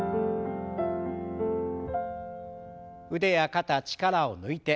腕や肩力を抜いて。